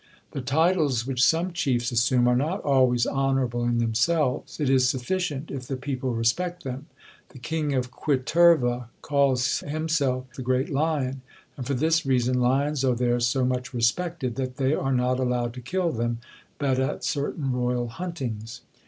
The titles which some chiefs assume are not always honourable in themselves; it is sufficient if the people respect them. The king of Quiterva calls himself the great lion; and for this reason lions are there so much respected, that they are not allowed to kill them, but at certain royal huntings.